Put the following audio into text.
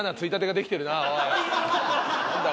何だ？